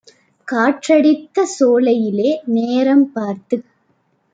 காற்றடித்த சோலையிலே நேரம் பார்த்துக்